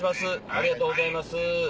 ありがとうございます。